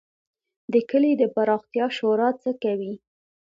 د کلي د پراختیا شورا څه کوي؟